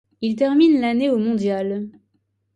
Il termine l'année au mondial.